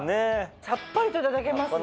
さっぱりといただけますね。